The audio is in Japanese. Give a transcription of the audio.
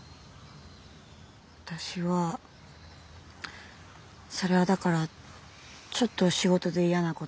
私はそれはだからちょっと仕事で嫌なことがあったりとか。